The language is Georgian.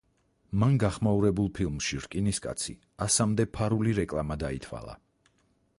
მან გახმაურებულ ფილმში „რკინის კაცი“ ასამდე ფარული რეკლამა დაითვალა.